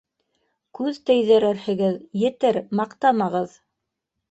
Күҙ тейҙерерһегеҙ, етер, маҡтамағыҙ!